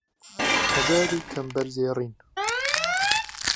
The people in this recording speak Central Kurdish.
ههزاری کهمبەر زێڕين